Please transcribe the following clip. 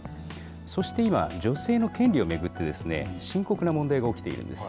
そして今、女性の権利を巡ってですね、深刻な問題が起きているんです。